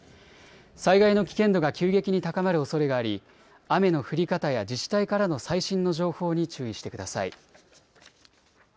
災害の危険度が急激に高まるおそれがあり雨の降り方や自治体からの最新の情報に注意してください。